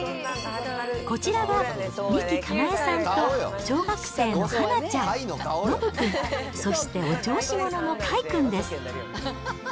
こちらが三木かなえさんと、小学生のはなちゃん、のぶ君、そしてお調子者のカイくんです。